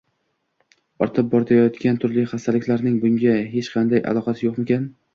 ortib borayotgan turli xastaliklarning bunga hech qanday aloqasi yo'qmikan?!